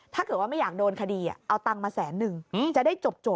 ถ้าเกิดว่าไม่อยากโดนคดีเอาตังค์มาแสนนึงจะได้จบ